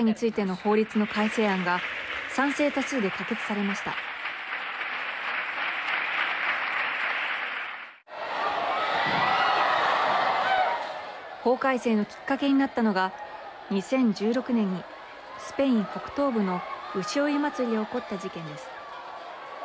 法改正のきっかけになったのが２０１６年にスペイン北東部の牛追い祭りで起こった事件です。